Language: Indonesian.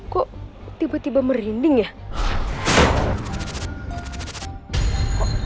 kok tiba tiba merinding ya